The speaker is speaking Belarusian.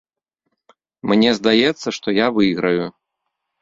Мне здаецца, што я выйграю.